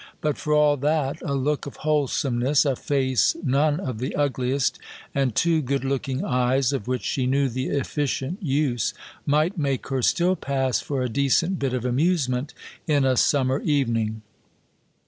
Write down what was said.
But for all that, a look of wholesomeness, a face none of the ugliest, and two good looking eyes of which she knew the efficient use, might make her still pass for a decent bit of amusement in a summer evening.